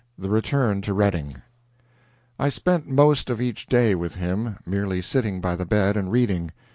THE RETURN TO REDDING I spent most of each day with him, merely sitting by the bed and reading.